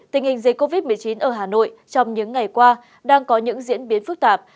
tình hình dịch covid một mươi chín ở hà nội trong những ngày qua đang có những diễn biến phức tạp